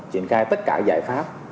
triển khai tất cả giải pháp